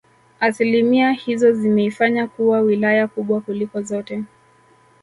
Asilimia hizo zimeifanya kuwa Wilaya kubwa kuliko zote